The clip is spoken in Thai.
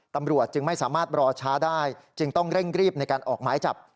ตำรวจจึงไม่สามารถรอช้าได้จึงต้องเร่งรีบในการออกหมายจับ